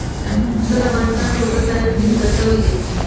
پسه د افغانستان په اوږده تاریخ کې ذکر شوی دی.